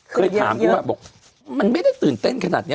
เคยถามเขาว่าบอกมันไม่ได้ตื่นเต้นขนาดนี้